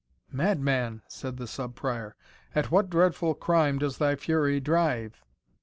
"Madman!" said the Sub Prior, "at what dreadful crime does thy fury drive?"